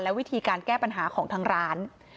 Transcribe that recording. วิธีการแก้ปัญหาของทางร้าน